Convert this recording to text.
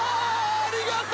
ありがとう！